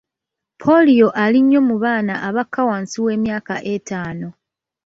Ppooliyo ali nnyo mu baana abakka wansi w'emyaka ettaano.